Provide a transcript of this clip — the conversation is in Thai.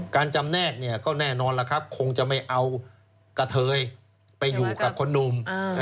การจำแนกก็แน่นอนแล้วครับคงจะไม่เอากับเธอยไปอยู่กับคนหนุ่ม